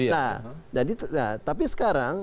nah tapi sekarang